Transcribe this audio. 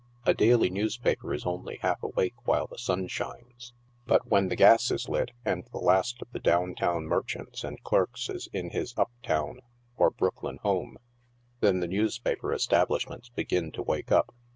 A daily newspaper is only half awake while the sun shines, but when the gas is lit, and the last of the down town merchants and clerks is in his up town or Brooklyn home, then the newspaper es tablishments begin to wake up.